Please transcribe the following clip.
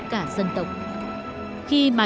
cả dân tộc khi mà